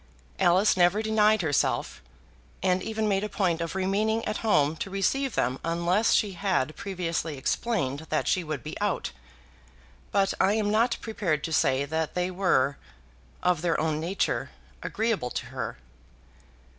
Alice never denied herself, and even made a point of remaining at home to receive them unless she had previously explained that she would be out; but I am not prepared to say that they were, of their own nature, agreeable to her.